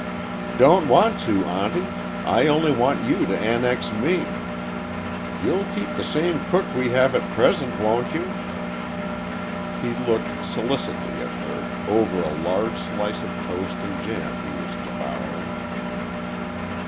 "Don't want to, Auntie. I only want you to annex me. You'll keep the same cook we have at present, won't you?" He looked solicitously at her, over a large slice of toast and jam he was devouring.